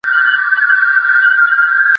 তিনি নিজেও তাহা জানিতেন না।